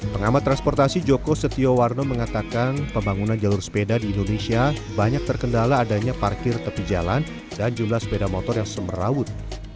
pengamat transportasi joko setiowarno mengatakan pembangunan jalur sepeda di indonesia banyak terkendala adanya parkir tepi jalan dan jumlah sepeda motor yang semerawut